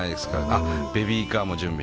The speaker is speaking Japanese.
あっベビーカーも準備して。